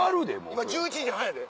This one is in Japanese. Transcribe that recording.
今１１時半やで。